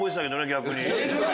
逆に。